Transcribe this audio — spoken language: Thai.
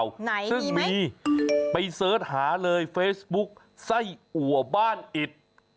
ไหนซึ่งมีไปเสิร์ชหาเลยเฟซบุ๊กไส้อัวบ้านอิด